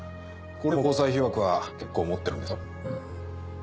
これでも交際費枠は結構持ってるんですよ。